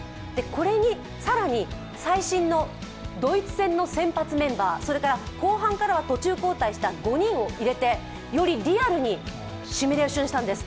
これに更に最新のドイツ戦の先発メンバー、それから後半からは途中交代した５人を入れてよりリアルにシミュレーションしたんです。